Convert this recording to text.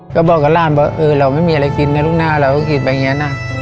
ก็บอกกับหลานว่าเออเราไม่มีอะไรกินนะลูกหน้าเราก็กินแบบนี้นะ